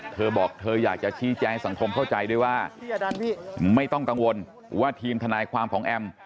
เธอบอกเธออยากจะชี้แจงให้สังคมเข้าใจด้วยว่าไม่ต้องกังวลว่าทีมทนายความของแอม